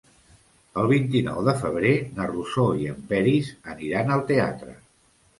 El vint-i-nou de febrer na Rosó i en Peris aniran al teatre.